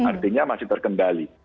artinya masih terkendali